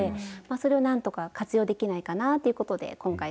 それをなんとか活用できないかなということで今回考えました。